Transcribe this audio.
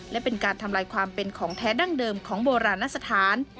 และเป็นการทำลายความเป็นของแท้ดั้งเดิมของโบราณสถาน